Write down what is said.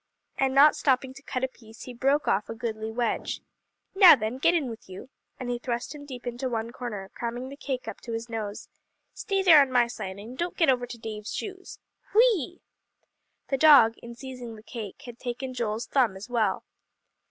And not stopping to cut a piece, he broke off a goodly wedge. "Now then, get in with you," and he thrust him deep into one corner, cramming the cake up to his nose. "Stay there on my side, and don't get over on Dave's shoes. Whee!" The dog, in seizing the cake, had taken Joel's thumb as well.